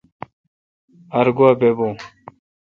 ار گوا بیبو۔